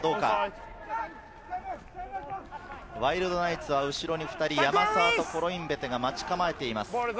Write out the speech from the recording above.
ワイルドナイツは後ろに２人、山沢とコロインベテが待ち構えています。